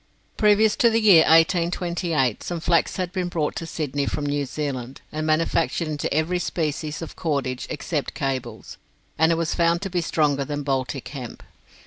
Previous to the year 1828 some flax had been brought to Sydney from New Zealand, and manufactured into every species of cordage except cables, and it was found to be stronger than Baltic hemp.